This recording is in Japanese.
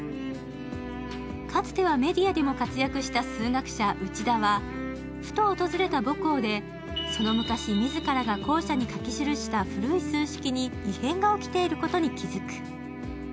かつてはメディアでも活躍した数学者・内田は、ふと訪れた母校で、その昔、自らが校舎に書き記した古い数式に異変が起きていることに気付く。